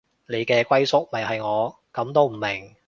你嘅歸宿咪係我，噉都唔明